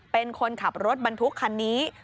เป็นคนขับรถบรรทุกคันนี้